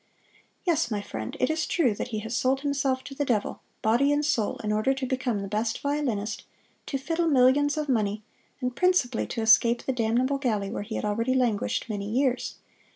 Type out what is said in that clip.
"Yes, my friend, it is true that he has sold himself to the devil, body and soul, in order to become the best violinist, to fiddle millions of money, and principally to escape the damnable galley where he had already languished many years.